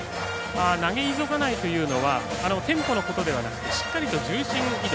投げ急がないということはテンポのことではなくてしっかりと重心移動。